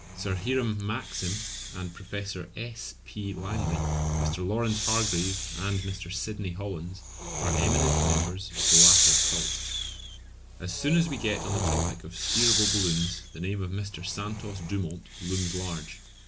Sir Hiram Maxim and Professor S. P. Langley, Mr. Lawrence Hargrave, and Mr. Sydney Hollands are eminent members of the latter cult. As soon as we get on the topic of steerable balloons the name of Mr. Santos Dumont looms large.